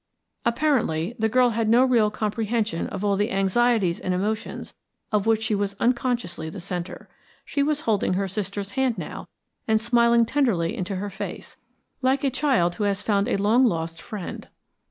Apparently the girl had no real comprehension of all the anxieties and emotions of which she was unconsciously the centre. She was holding her sister's hand now and smiling tenderly into her face, like a child who has found a long lost friend.